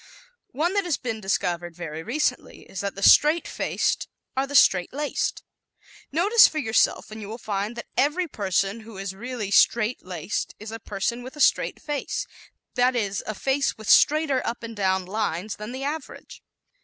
One that has been discovered very recently is that the straight faced are the straight laced. Notice for yourself and you will find that every person who is really "straight laced" is a person with a straight face that is, a face with straighter up and down lines than the average.